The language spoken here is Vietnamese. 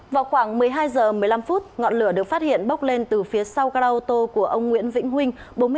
vào khoảng một mươi hai h một mươi năm ngọn lửa được phát hiện bốc lên từ phía sau cao ô tô của ông nguyễn vĩnh huynh